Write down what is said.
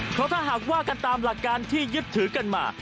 เพราะถ้าหากว่ากันตามหลักการที่ยึดถือกันมา